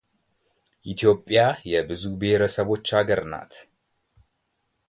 ኢትዮዽያ የብዙ ብሔርሰቦች አገር ናት